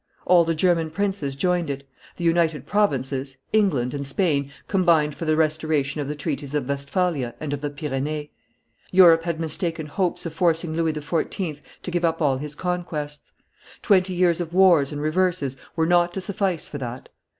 All the German princes joined it; the United Provinces, England, and Spain combined for the restoration of the treaties of Westphalia and of the Pyrenees. Europe had mistaken hopes of forcing Louis XIV. to give up all his conquests. Twenty years of wars and reverses were not to suffice for that.